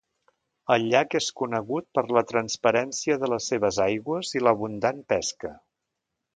El llac és conegut per la transparència de les seves aigües i l'abundant pesca.